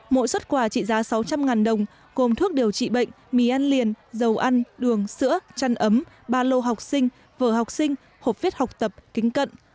mỗi xuất quà trị giá sáu trăm linh đồng gồm thuốc điều trị bệnh mì ăn liền dầu ăn đường sữa chăn ấm ba lô học sinh vở học sinh hộp viết học tập kính cận